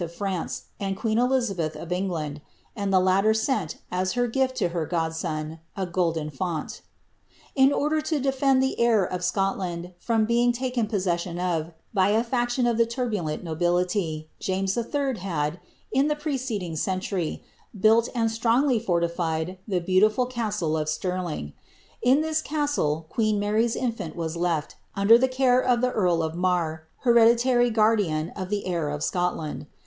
of Fiance, and qveen Eliiabeth of England ; and the latter sent, as her gift to her god son, a golden font In order jto defend the heir of Scotland from being taken poasession of by a faction of the turbulent nobility, James UL had, in the pre* ceding century, built and strongly fortified the beautiful castle of Stir ling. In this castle queen Mary's infant was left, under the care of the earl of Marr, hereditary guardian of the heir of Scotland.